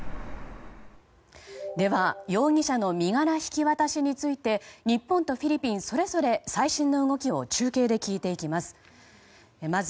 では容疑者の身柄引き渡しについて日本とフィリピンそれぞれ最新の動きを中継で聞いていきます。